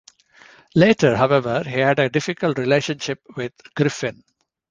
Later, however, he had a difficult relationship with Griffin.